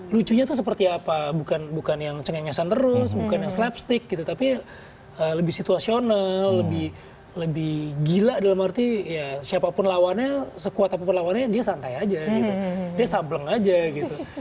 lucunya tuh seperti apa bukan yang cengesan terus bukan yang slapstick gitu tapi lebih situasional lebih gila dalam arti ya siapapun lawannya sekuat apapun lawannya dia santai aja gitu dia sableng aja gitu